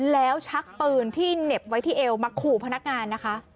แล้วชักปืนที่เหน็บไว้ที่เอวมาขู่พนักงานนะคะ